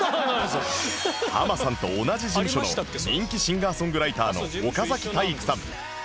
ハマさんと同じ事務所の人気シンガーソングライターの岡崎体育さん